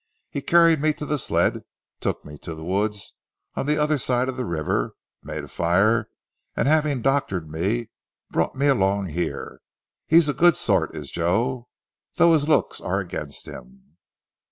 He carried me to the sled, took me to the woods on the other side of the river, made a fire, and having doctored me brought me along here. He's a good sort is Joe, though his looks are against him."